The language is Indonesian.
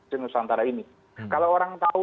sinusantara ini kalau orang tahu